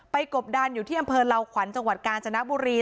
กบดันอยู่ที่อำเภอเหล่าขวัญจังหวัดกาญจนบุรี